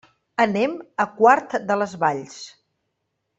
Anem a Quart de les Valls.